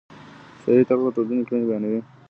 شعري تاریخ د ټولني کړنې بیانوي.